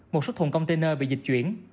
một số thùng container bị dịch chuyển